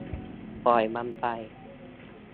ปล่อยมันไป